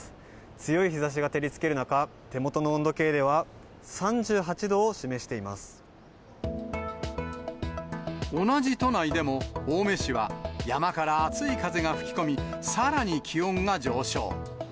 強い日ざしが照りつける中、手元の温度計では３８度を示して同じ都内でも、青梅市は、山から熱い風が吹き込み、さらに気温が上昇。